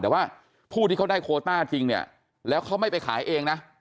แต่ว่าผู้ที่เขาได้โคต้าจริงเนี่ยแล้วเขาไม่ไปขายเองนะ